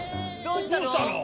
どうしたの？